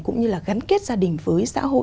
cũng như là gắn kết gia đình với xã hội